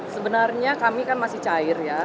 sebenarnya kami kan masih cair ya